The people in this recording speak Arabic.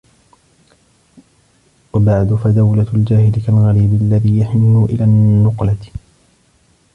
وَبَعْدُ فَدَوْلَةُ الْجَاهِلِ كَالْغَرِيبِ الَّذِي يَحِنُّ إلَى النُّقْلَةِ